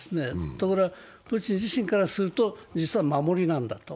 ところがプーチン自身からすると実は守りなんだと。